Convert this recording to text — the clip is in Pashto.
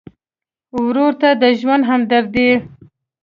ورور ته د ژوند همدرد یې.